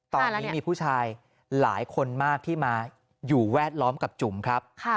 ตอนนี้มีผู้ชายหลายคนมากที่มาอยู่แวดล้อมกับจุ๋มครับ